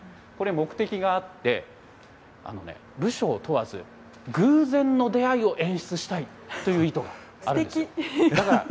これ、目的があって、部署を問わず、偶然の出会いを演出したいという意図があるんです。